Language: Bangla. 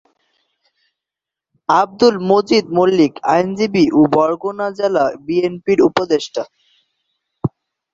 আবদুল মজিদ মল্লিক আইনজীবী ও বরগুনা জেলা বিএনপির উপদেষ্টা।